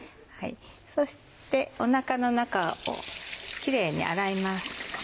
そしてお腹の中をキレイに洗います。